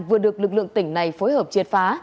vừa được lực lượng tỉnh này phối hợp triệt phá